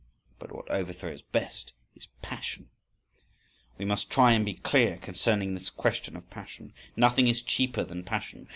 … But what overthrows best, is passion.—We must try and be clear concerning this question of passion. Nothing is cheaper than passion!